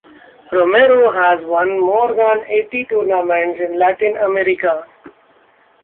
Romero has won more than eighty tournaments in Latin America.